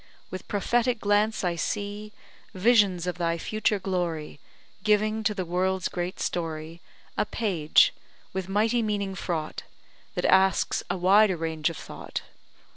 With prophetic glance, I see Visions of thy future glory, Giving to the world's great story A page, with mighty meaning fraught, That asks a wider range of thought.